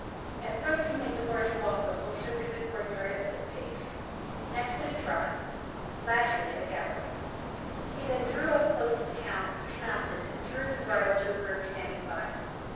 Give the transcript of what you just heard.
At first, he made the horse walk the whole circuit of the court yard at a foot pace; next at a trot; lastly at a gallop. He then drew up close to the count, dismounted, and threw the bridle to a groom standing by.